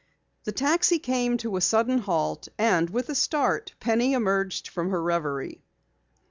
The taxi came to a sudden halt and with a start Penny emerged from her reverie.